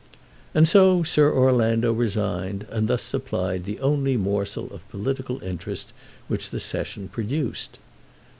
And so Sir Orlando resigned, and thus supplied the only morsel of political interest which the Session produced.